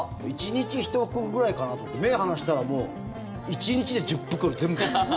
１日１袋くらいかなと思ったら目を離したら１日で１０袋全部。